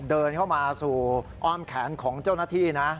เดินเข้ามาสู่อ้อมแขนของเจ้าหน้าที่นะ